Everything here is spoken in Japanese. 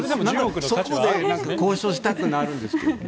そこで交渉したくなるんですけどね。